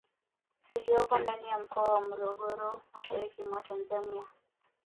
Iliyopo ndani ya Mkoa wa Morogoro mashariki mwa Tanzania